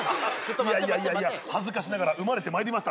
いやいやいやいや恥ずかしながら生まれてまいりました。